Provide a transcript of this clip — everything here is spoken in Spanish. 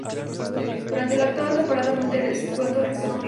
Durante la octava temporada mulder es devuelto en estado moribundo.